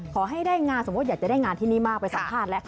ขอให้ได้งานสมมุติอยากจะได้งานที่นี่มากไปสัมภาษณ์แล้ว